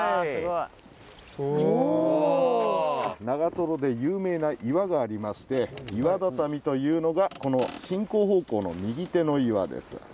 長で有名な岩がありまして岩畳というのがこの進行方向の右手の岩です。